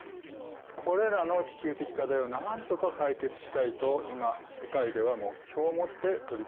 これらの地球的課題をなんとか解決したいと今世界では目標を持って取り組んでいますよ。